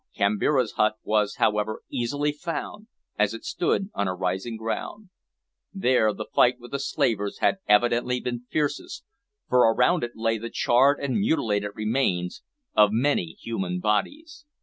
Kambira's hut was, however, easily found, as it stood on a rising ground. There the fight with the slavers had evidently been fiercest, for around it lay the charred and mutilated remains of many human bodies.